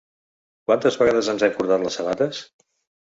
Quantes vegades ens hem cordat les sabates?